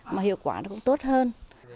mà hiệu quả nó cũng tốt hơn